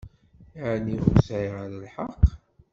Ɛni ur sɛiɣ ara lḥeqq?